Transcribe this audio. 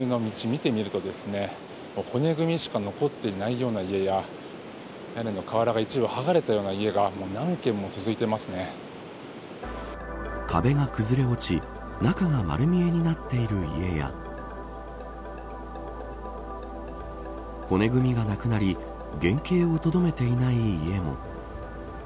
目の前、すぐに海が広がっているような場所になるんですが海沿いの道を見てみると骨組みしか残っていないような家や屋根の瓦が一部はがれたような家が壁が崩れ落ち中が丸見えになっている家や骨組みがなくなり原型をとどめていない家も。